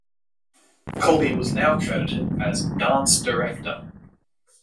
Colby was now credited as "Dance Director".